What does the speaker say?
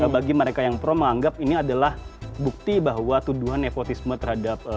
bagi mereka yang pro menganggap ini adalah bukti bahwa tuduhan nepotisme terhadap